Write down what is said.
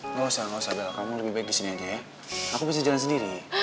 nggak usah bel kamu lebih baik di sini aja ya aku bisa jalan sendiri